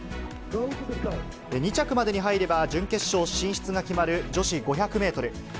２着までに入れば準決勝進出が決まる女子５００メートル。